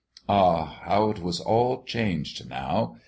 Ah! how it was all changed now!